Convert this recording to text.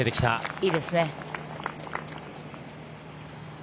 いいですね。